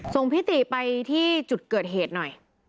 พิติไปที่จุดเกิดเหตุหน่อย